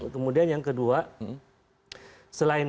kemudian yang kedua